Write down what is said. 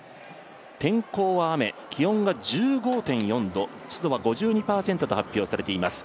天候は雨、気温が１５．４度、湿度は５２％と発表されています。